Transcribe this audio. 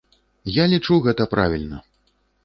Я лічу, гэта правільна.